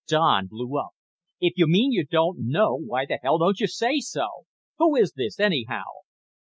Don blew up. "If you mean you don't know, why the hell don't you say so? Who is this, anyhow?"